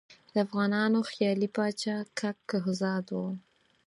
د افغانانو خیالي پاچا کک کهزاد وو.